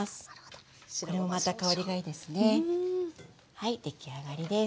はい出来上がりです。